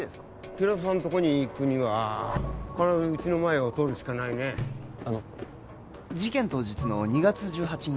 平田さんとこに行くには必ずうちの前を通るしかないねあの事件当日の２月１８日